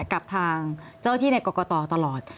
กับทางเจ้าที่ในกรกตตลอด